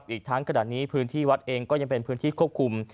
อีกทั้งขณะนี้พื้นที่วัดเองก็ยังเป็นพื้นที่ควบคุม